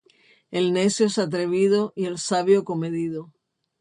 El necio es atrevido y el sabio comedido.